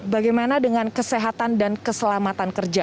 bagaimana dengan kesehatan dan keselamatan kerja